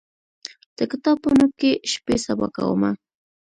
د کتاب پاڼو کې شپې سبا کومه